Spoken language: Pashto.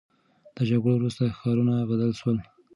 د جګړو وروسته ښارونه بدل سول.